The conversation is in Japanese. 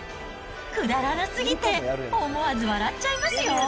くだらなすぎて、思わず笑っちゃいますよ。